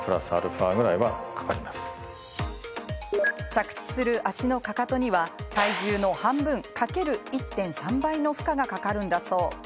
着地する足のかかとには体重の半分×１．３倍の負荷がかかるんだそう。